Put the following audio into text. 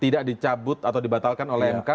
tidak dicabut atau dibatalkan oleh mk